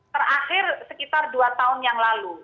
terakhir sekitar dua tahun yang lalu